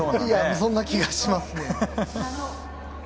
そんな気がしますね。